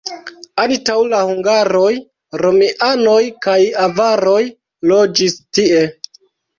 Antaŭ la hungaroj romianoj kaj avaroj loĝis tie.